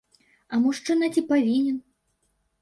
А мужчына ці павінен?